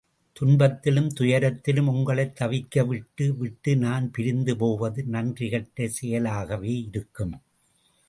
துன்பத்திலும், துயரத்திலும் உங்களைத் தவிக்க விட்டு விட்டு நான் பிரிந்து போவது நன்றி கெட்ட செயலாகவே இருக்கும்.